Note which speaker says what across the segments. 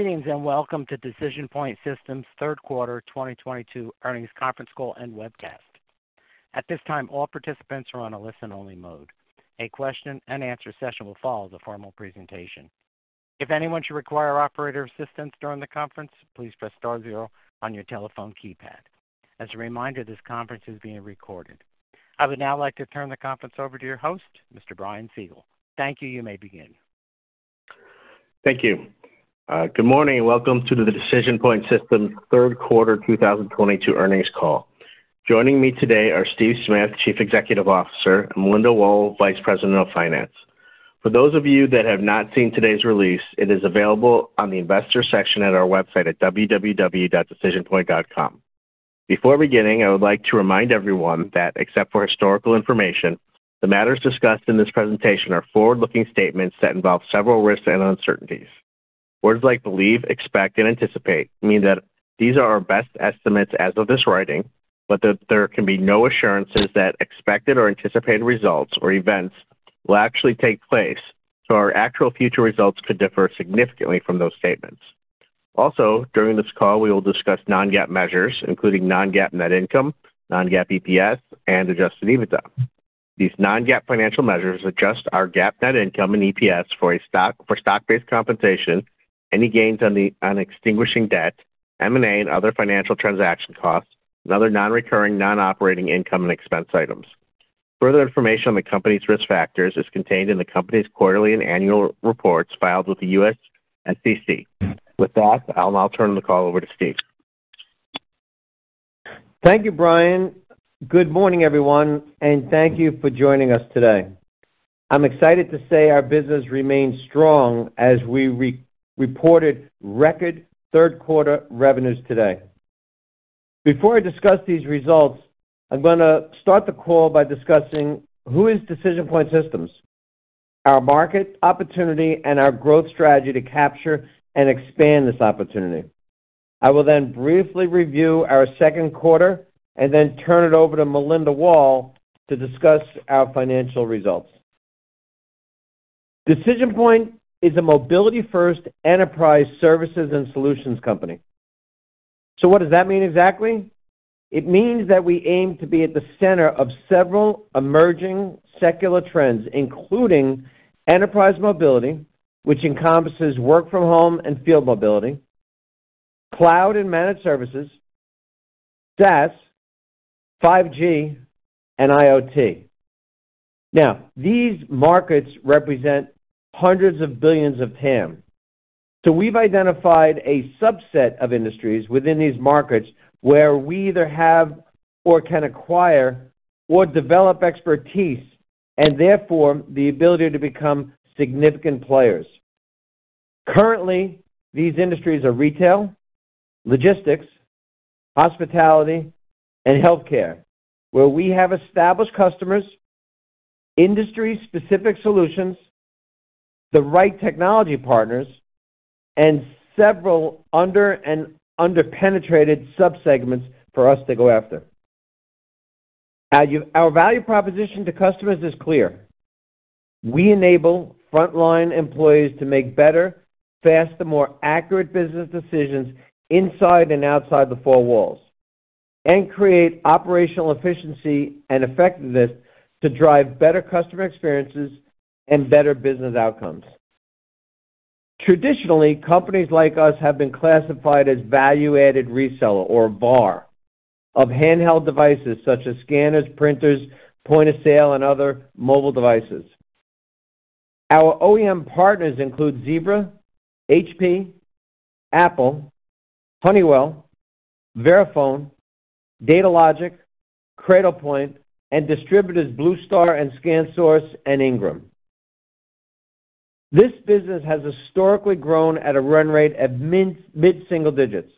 Speaker 1: Greetings, and welcome to DecisionPoint Systems' Q3 2022 Earnings Conference Call and Webcast. At this time, all participants are on a listen-only mode. A question-and-answer session will follow the formal presentation. If anyone should require operator assistance during the conference, please press star-zero on your telephone keypad. As a reminder, this conference is being recorded. I would now like to turn the conference over to your host, Mr. Brian Siegel. Thank you. You may begin.
Speaker 2: Thank you. Good morning, and welcome to the DecisionPoint Systems Q3 2022 Earnings Call. Joining me today are Steve Smith, Chief Executive Officer, and Melinda Wohl, Vice President of Finance. For those of you that have not seen today's release, it is available on the Investor Relations section of our website at www.decisionpoint.com. Before beginning, I would like to remind everyone that except for historical information, the matters discussed in this presentation are forward-looking statements that involve several risks and uncertainties. Words like believe, expect, and anticipate mean that these are our best estimates as of this writing, but that there can be no assurances that expected or anticipated results or events will actually take place, so our actual future results could differ significantly from those statements. Also, during this call, we will discuss non-GAAP measures, including non-GAAP net income, non-GAAP EPS, and adjusted EBITDA. These non-GAAP financial measures adjust our GAAP net income and EPS for stock-based compensation, any gains on extinguishing debt, M&A, and other financial transaction costs, and other non-recurring non-operating income and expense items. Further information on the company's risk factors is contained in the company's quarterly and annual reports filed with the U.S. SEC. With that, I'll now turn the call over to Steve.
Speaker 3: Thank you, Brian. Good morning, everyone, and thank you for joining us today. I'm excited to say our business remains strong as we re-reported record Q3 revenues today. Before I discuss these results, I'm gonna start the call by discussing who is DecisionPoint Systems, our market opportunity, and our growth strategy to capture and expand this opportunity. I will then briefly review our second quarter and then turn it over to Melinda Wohl to discuss our financial results. DecisionPoint is a mobility-first enterprise services and solutions company. What does that mean exactly? It means that we aim to be at the center of several emerging secular trends, including enterprise mobility, which encompasses work from home and field mobility, cloud and managed services, SaaS, 5G, and IoT. Now, these markets represent hundreds of billions of TAM. We've identified a subset of industries within these markets where we either have or can acquire or develop expertise, and therefore, the ability to become significant players. Currently, these industries are retail, logistics, hospitality, and healthcare, where we have established customers, industry-specific solutions, the right technology partners, and several under-penetrated subsegments for us to go after. Our value proposition to customers is clear. We enable frontline employees to make better, faster, more accurate business decisions inside and outside the four walls, and create operational efficiency and effectiveness to drive better customer experiences and better business outcomes. Traditionally, companies like us have been classified as value-added reseller or VAR of handheld devices such as scanners, printers, point of sale, and other mobile devices. Our OEM partners include Zebra Technologies, HP Inc., Apple, Honeywell, Verifone, Datalogic and Cradlepoint, and distributors BlueStar, ScanSource, and Ingram Micro. This business has historically grown at a run rate at mid-single digits,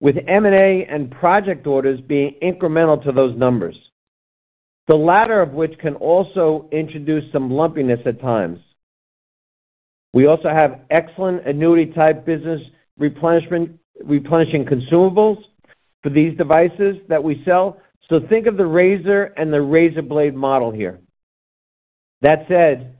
Speaker 3: with M&A and project orders being incremental to those numbers, the latter of which can also introduce some lumpiness at times. We also have excellent annuity-type business replenishment, replenishing consumables for these devices that we sell. Think of the razor-and- blade model here. That said,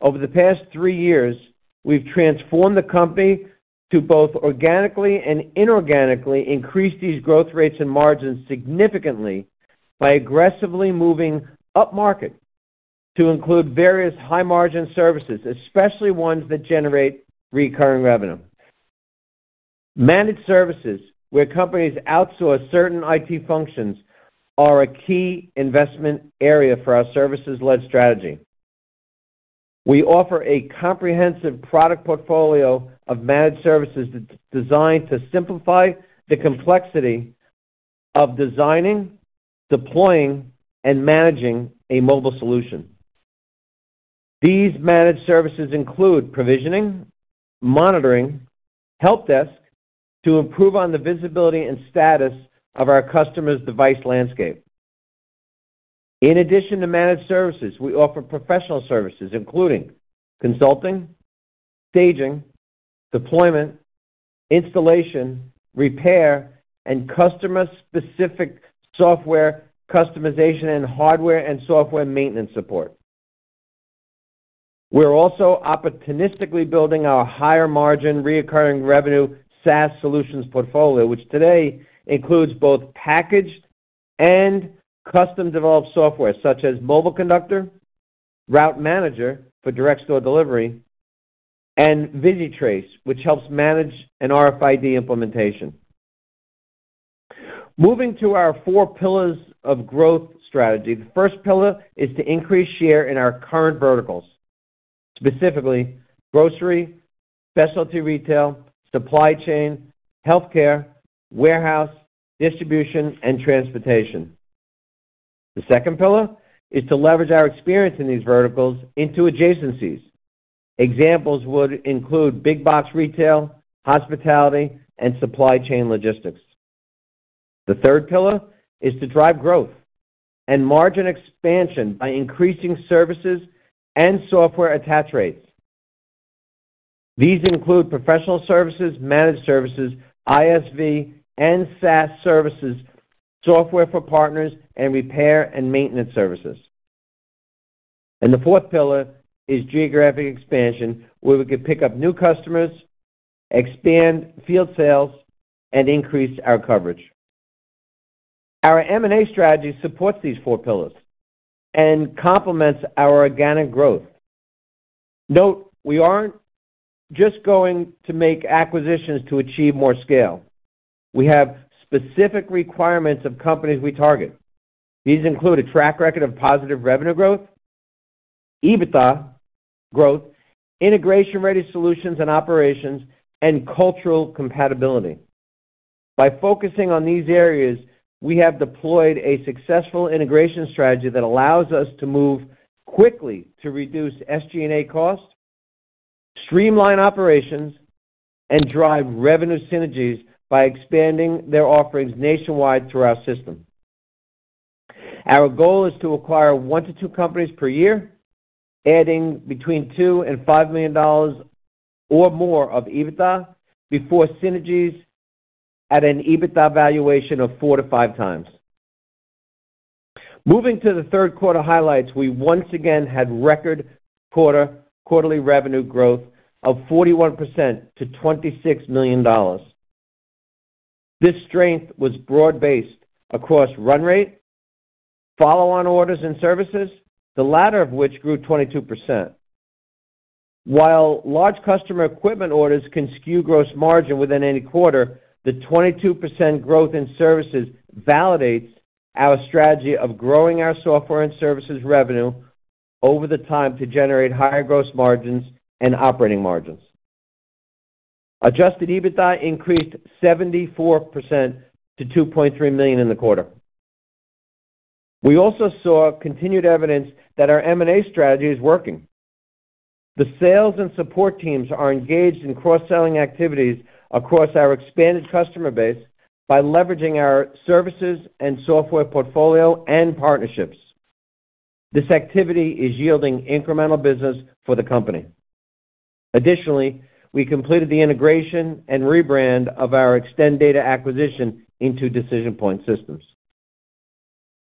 Speaker 3: over the past three years, we've transformed the company to both organically and inorganically increase these growth rates and margins significantly by aggressively moving upmarket to include various high-margin services, especially ones that generate recurring revenue. Managed services, where companies outsource certain IT functions, are a key investment area for our services-led strategy. We offer a comprehensive product portfolio of managed services that's designed to simplify the complexity of designing, deploying, and managing a mobile solution. These managed services include provisioning, monitoring, help desk to improve on the visibility and status of our customers' device landscape. In addition to managed services, we offer professional services, including consulting, staging, deployment, installation, repair, and customer-specific software customization and hardware and software maintenance support. We're also opportunistically building our higher-margin, recurring-revenue SaaS solutions portfolio, which today includes both packaged and custom-developed software, such as MobileConductor, RouteManager for direct-store delivery, and ViziTrace, which helps manage an RFID implementation. Moving to our four pillars of growth strategy. The first pillar is to increase share in our current verticals, specifically grocery, specialty retail, supply chain, healthcare, warehouse, distribution, and transportation. The second pillar is to leverage our experience in these verticals into adjacencies. Examples would include big-box retail, hospitality, and supply chain logistics. The third pillar is to drive growth and margin expansion by increasing services and software attach rates. These include professional services, managed services, ISV and SaaS offerings, partner software, and repair and maintenance services. The fourth pillar is geographic expansion, where we could pick up new customers, expand field sales, and increase our coverage. Our M&A strategy supports these four pillars and complements our organic growth. Note, we aren't just going to make acquisitions to achieve more scale. We have specific requirements of companies we target. These include a track record of positive revenue growth, EBITDA growth, integration-ready solutions and operations, and cultural compatibility. By focusing on these areas, we have deployed a successful integration strategy that allows us to move quickly to reduce SG&A costs, streamline operations, and drive revenue synergies by expanding their offerings nationwide through our system. Our goal is to acquire one to two companies per year, adding between $2 million-$5 million or more of EBITDA before synergies at an EBITDA valuation of 4.0x-5.0x. Moving to the Q3 highlights. We once again had record quarter-over-quarter revenue growth of 41% to $26 million. This strength was broad-based across run rate, follow-on orders and services, the latter of which grew 22%. While large customer equipment orders can skew gross margin within any quarter, the 22% growth in services validates our strategy of growing our software and services revenue over the time to generate higher gross margins and operating margins. Adjusted EBITDA increased 74% to $2.3 million in the quarter. We also saw continued evidence that our M&A strategy is working. The sales and support teams are engaged in cross-selling activities across our expanded customer base by leveraging our services and software portfolio and partnerships. This activity is yielding incremental business for the company. Additionally, we completed the integration and rebrand of our ExtenData acquisition into DecisionPoint Systems.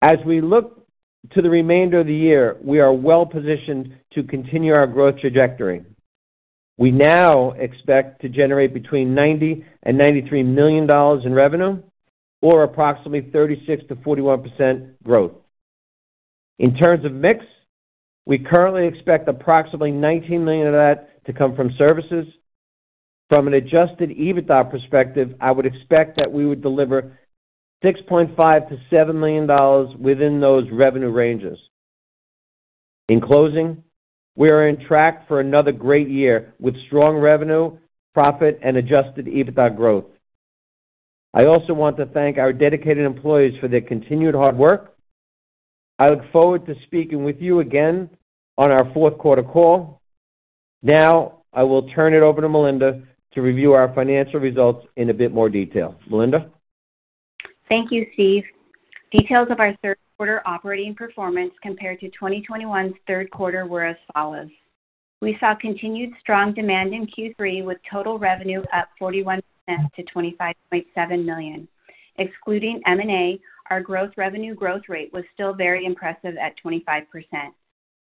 Speaker 3: As we look to the remainder of the year, we are well-positioned to continue our growth trajectory. We now expect to generate between $90million-$93 million in revenue or approximately 36%-41% growth. In terms of mix, we currently expect approximately $19 million of that to come from services. From an adjusted EBITDA perspective, I would expect that we would deliver $6.5 million-$7 million within those revenue ranges. In closing, we are on track for another great year with strong revenue, profit, and adjusted EBITDA growth. I also want to thank our dedicated employees for their continued hard work. I look forward to speaking with you again on our fourth quarter call. Now, I will turn it over to Melinda to review our financial results in a bit more detail. Melinda?
Speaker 4: Thank you, Steve. Details of our Q3 operating performance compared to 2021's Q3 were as follows: We saw continued strong demand in Q3 with total revenue up 41% to $25.7 million. Excluding M&A, our revenue growth rate was still very impressive at 25%.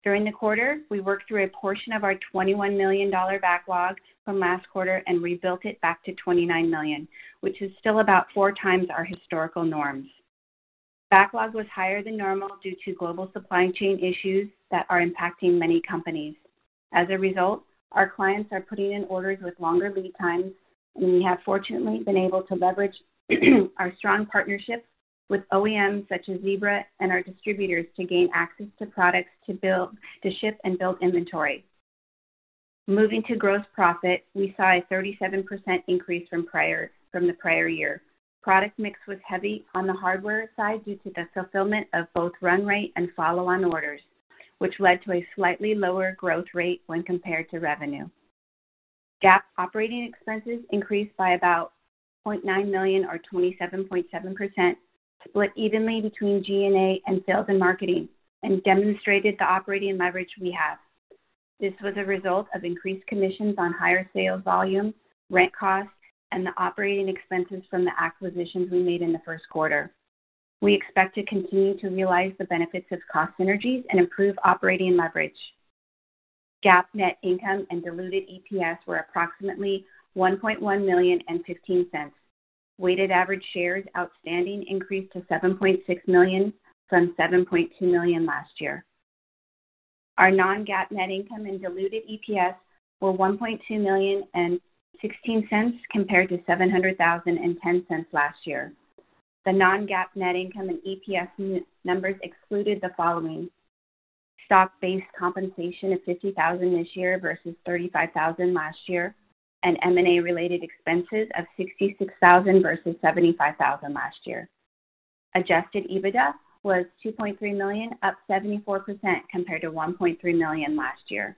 Speaker 4: During the quarter, we worked through a portion of our $21 million backlog from last quarter and rebuilt it back to $29 million, which is still about 4 times our historical norms. Backlog was higher than normal due to global supply chain issues that are impacting many companies. As a result, our clients are putting in orders with longer lead times, and we have fortunately been able to leverage our strong partnerships with OEMs such as Zebra and our distributors to gain access to products to ship and build inventory. Moving to gross profit, we saw a 37% increase from the prior year. Product mix was heavy on the hardware side due to the fulfillment of both run rate and follow-on orders, which led to a slightly lower growth rate when compared to revenue. GAAP operating expenses increased by about $0.9 million or 27.7%, split evenly between G&A and sales and marketing, and demonstrated the operating leverage we have. This was a result of increased commissions on higher sales volume, rent costs, and the operating expenses from the acquisitions we made in the first quarter. We expect to continue to realize the benefits of cost synergies and improve operating leverage. GAAP net income and diluted EPS were approximately $1.1 million and $0.15. Weighted average shares outstanding increased to 7.6 million from 7.2 million last year. Our non-GAAP net income and diluted EPS were $1.2 million and $0.16 compared to $700,000 and $0.10 last year. The non-GAAP net income and EPS numbers excluded the following, stock-based compensation of $50,000 this year versus $35,000 last year, and M&A-related expenses of $66,000 versus $75 thousand last year. Adjusted EBITDA was $2.3 million, up 74% compared to $1.3 million last year.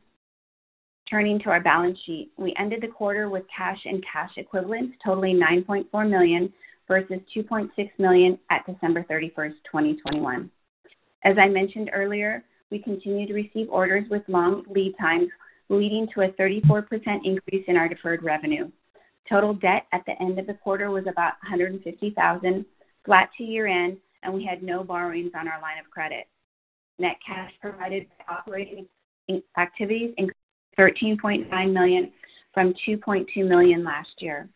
Speaker 4: Turning to our balance sheet. We ended the quarter with cash and cash equivalents totaling $9.4 million versus $2.6 million at December 31, 2021. As I mentioned earlier, we continue to receive orders with long lead times, leading to a 34% increase in our deferred revenue. Total debt at the end of the quarter was about $150,000, flat to year-end, and we had no borrowings on our line of credit. Net cash provided by operating activities increased to $13.9 million from $2.2 million last year.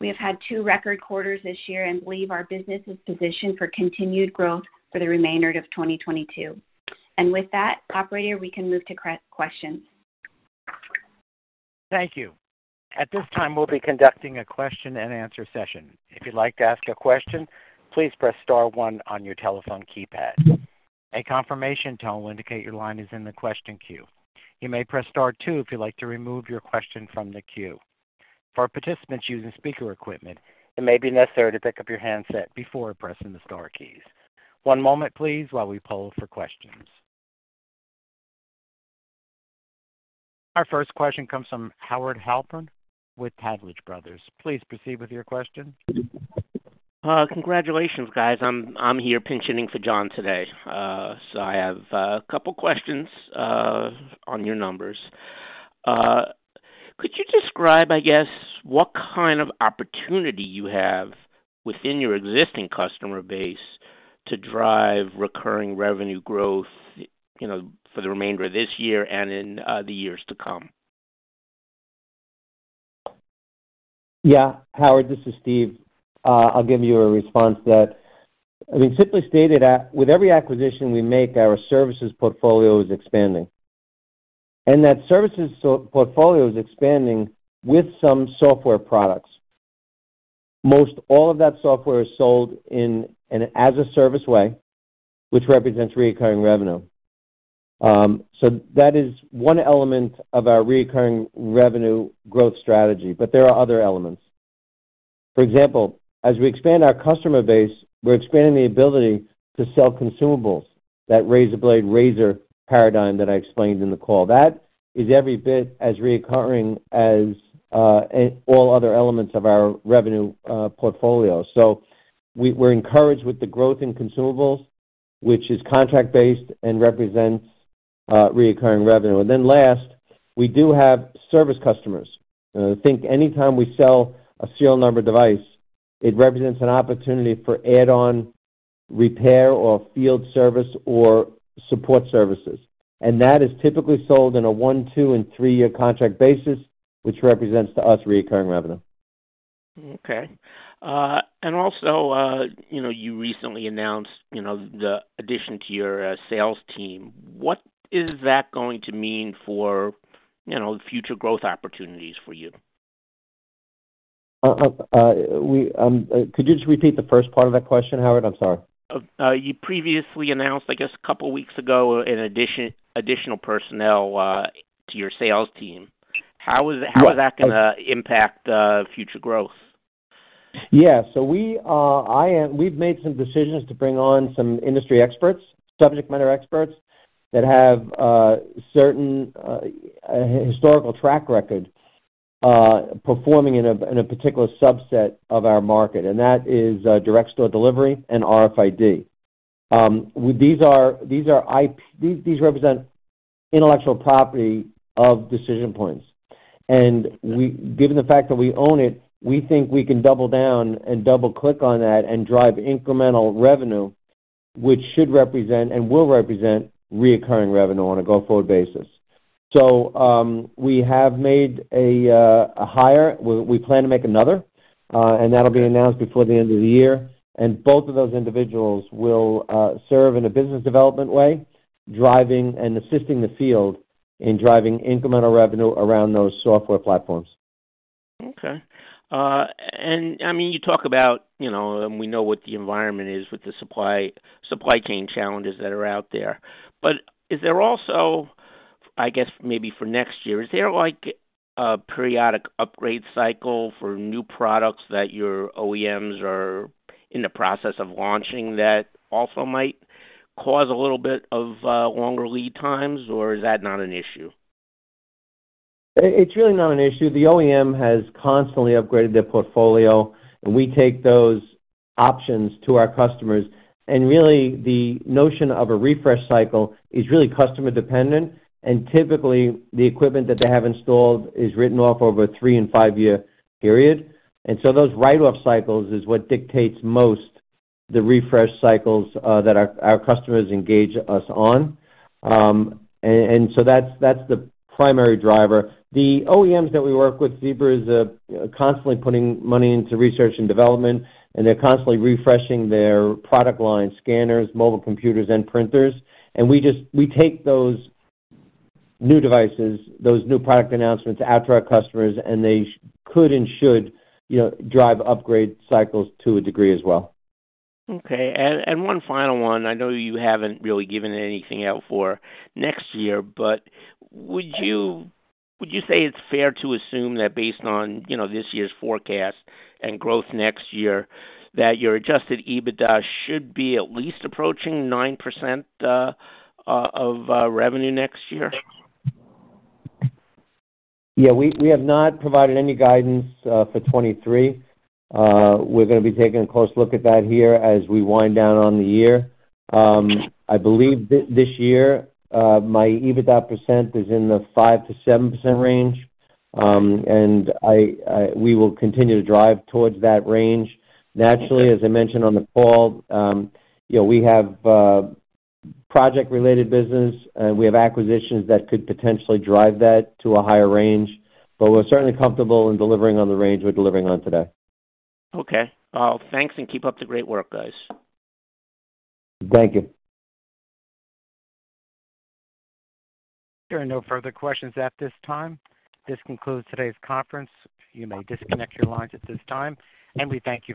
Speaker 4: We have had two record quarters this year and believe our business is positioned for continued growth for the remainder of 2022. With that, operator, we can move to questions.
Speaker 1: Thank you. At this time, we'll be conducting a question and answer session. If you'd like to ask a question, please press star one on your telephone keypad. A confirmation tone will indicate your line is in the question queue. You may press star two if you'd like to remove your question from the queue. For participants using speaker equipment, it may be necessary to pick up your handset before pressing the star keys. One moment, please, while we poll for questions. Our first question comes from Howard Halpern with Taglich Brothers. Please proceed with your question.
Speaker 5: Congratulations, guys. I'm here pinch-hitting for John today. I have a couple questions on your numbers. Could you describe, I guess, what kind of opportunity you have within your existing customer base to drive recurring revenue growth, you know, for the remainder of this year and in the years to come?
Speaker 3: Yeah. Howard, this is Steve. I'll give you a response to that. I mean, simply stated, with every acquisition we make, our services portfolio is expanding. That services portfolio is expanding with some software products. Most all of that software is sold in an as a service way, which represents recurring revenue. So that is one element of our recurring revenue growth strategy, but there are other elements. For example, as we expand our customer base, we're expanding the ability to sell consumables, that razor blade/razor paradigm that I explained in the call. That is every bit as recurring as all other elements of our revenue portfolio. So we're encouraged with the growth in consumables, which is contract-based and represents recurring revenue. Then last, we do have service customers. I think anytime we sell a serial number device, it represents an opportunity for add-on repair or field service or support services. That is typically sold in a one-, two-, and three-year contract basis, which represents to us recurring revenue.
Speaker 5: Okay. You know, you recently announced, you know, the addition to your sales team. What is that going to mean for, future growth opportunities for you?
Speaker 3: Could you just repeat the first part of that question, Howard? I'm sorry.
Speaker 5: You previously announced, I guess a couple weeks ago, an additional personnel to your sales team. How is it-
Speaker 3: Yeah.
Speaker 5: How is that gonna impact, future growth?
Speaker 3: Yeah. We've made some decisions to bring on some industry experts, subject matter experts, that have certain historical track record performing in a particular subset of our market, and that is direct store delivery and RFID. These represent intellectual property of DecisionPoint Systems. Given the fact that we own it, we think we can double down and double-click on that and drive incremental revenue, which should represent, and will represent, recurring revenue on a go-forward basis. We have made a hire. We plan to make another, and that'll be announced before the end of the year. Both of those individuals will serve in a business development way, driving and assisting the field in driving incremental revenue around those software platforms.
Speaker 5: Okay. I mean, you talk about, and we know what the environment is with the supply chain challenges that are out there. Is there also, I guess, maybe for next year, is there like a periodic upgrade cycle for new products that your OEMs are in the process of launching that also might cause a little bit of longer lead times, or is that not an issue?
Speaker 3: It's really not an issue. The OEM has constantly upgraded their portfolio, and we take those options to our customers. Really, the notion of a refresh cycle is really customer dependent. Typically, the equipment that they have installed is written off over a three- and five-year period. Those write-off cycles is what dictates most the refresh cycles that our customers engage us on. That's the primary driver. The OEMs that we work with, Zebra is constantly putting money into research and development, and they're constantly refreshing their product line scanners, mobile computers and printers. We take those new devices, those new product announcements out to our customers, and they could and should, you know, drive upgrade cycles to a degree as well.
Speaker 5: Okay. One final. I know you haven't really given anything out for next year, but would you say it's fair to assume that based on, you know, this year's forecast and growth next year, that your adjusted EBITDA should be at least approaching 9% of revenue next year?
Speaker 3: Yeah, we have not provided any guidance for 2023. We're gonna be taking a close look at that here as we wind down on the year. I believe this year my EBITDA % is in the 5%-7% range. We will continue to drive towards that range. Naturally, as I mentioned on the call, we have project-related business. We have acquisitions that could potentially drive that to a higher range, but we're certainly comfortable in delivering on the range we're delivering on today.
Speaker 5: Okay. Thanks, and keep up the great work, guys.
Speaker 3: Thank you.
Speaker 1: There are no further questions at this time. This concludes today's conference call. You may disconnect your lines at this time, and we thank you for your participation.